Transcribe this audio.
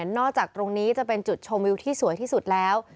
นอกจากตรงนี้จะเป็นจุดชมวิวที่สวยที่สุดแล้ว